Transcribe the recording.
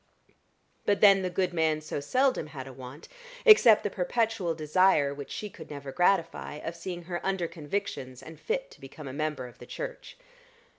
But then the good man so seldom had a want except the perpetual desire, which she could never gratify, of seeing her under convictions, and fit to become a member of the church.